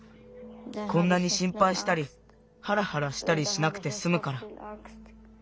こんなにしんぱいしたりハラハラしたりしなくてすむから。